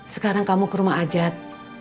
sekarang kamu ke rumah ajat